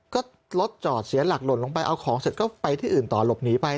ก็รถจอดเสียหลักหล่นลงไปเอาของเสร็จก็ไปที่อื่นต่อหลบหนีไป